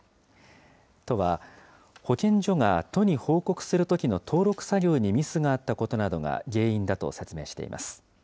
都は、保健所が都に報告するときの登録作業にミスがあったことなどが原因だと説明しています。